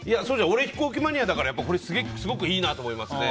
俺、飛行機マニアだからこれすごくいいなと思いますね。